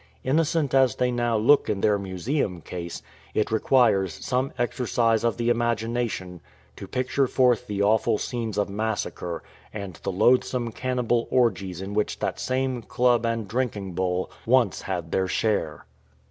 Innocent as they now look in their Museum case, it requires some exercise of the imagination to picture forth the awful scenes of massacre and the loathsome cannibal orgies in which that same club and drinking bowl once had their share.